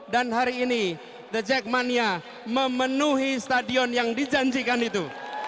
dan hari ini the jackmania memenuhi stadion yang dijanjikan itu